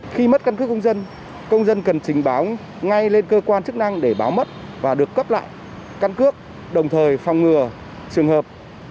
khi mất cân cước công dân công dân cần trình báo ngay lên cơ quan chức năng để báo mất và được cấp lại căn cước đồng thời phòng ngừa trường hợp